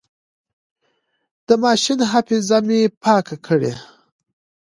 د ماشين حافظه مې پاکه کړه.